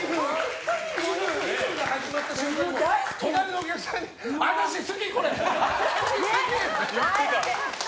「ｉｆ．．．」が始まった瞬間に隣のお客さんに私、好き！